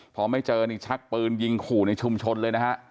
พอไม่เจอนี่ชักปืนยิงขู่ในชุมชนเลยนะฮะ